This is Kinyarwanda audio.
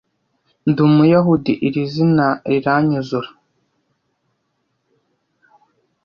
ndi umuyahudi iri zina riranyuzura